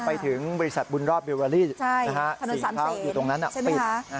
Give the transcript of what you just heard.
ไปถึงบริษัทบุญรอบเบลเวอรี่๔เท่าอยู่ตรงนั้นปิด